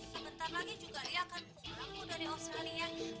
sekarang ria juga lihat dari australia